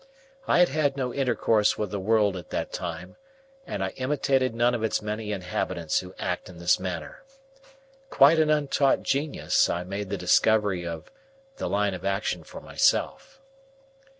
I had had no intercourse with the world at that time, and I imitated none of its many inhabitants who act in this manner. Quite an untaught genius, I made the discovery of the line of action for myself.